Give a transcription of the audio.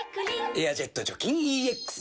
「エアジェット除菌ＥＸ」